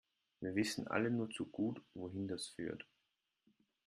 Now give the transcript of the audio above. Wir wissen alle nur zu gut, wohin das führt.